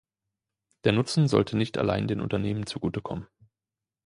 Der Nutzen sollte nicht allein den Unternehmen zugute kommen.